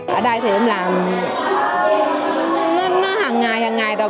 ở đây thì em làm nó hàng ngày hàng ngày rồi